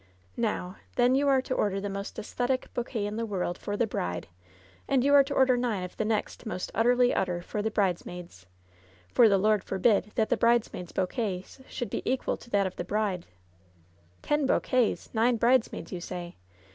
Now, then you are to order the most ffisthetic bouquet in the world for the bride, and you are to order nine of the next most utterly utter for the bridesmaids — ^for the Lord forbid that the bridesmaids' bouquets should be equal to that of the bride V^ "Ten bouquets ! Nine bridesmaids, you say